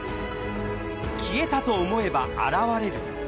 消えたと思えば現れる。